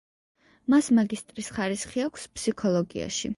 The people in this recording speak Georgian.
მას მაგისტრის ხარისხი აქვს ფსიქოლოგიაში.